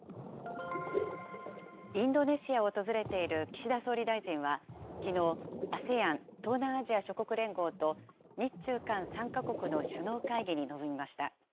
インドネシアを訪れている岸田総理大臣は、きのう、ＡＳＥＡＮ・東南アジア諸国連合と日中韓３か国の首脳会議に臨みました。